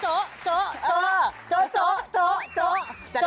โจ๊ะ